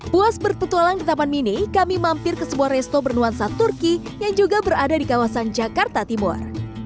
puas berpetualang di taman mini kami mampir ke sebuah resto bernuansa turki yang juga berada di kawasan jakarta timur